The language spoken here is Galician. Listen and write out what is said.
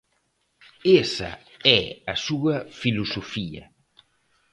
Esa é a súa filosofía.